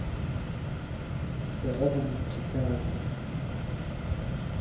Sera za ním přichází.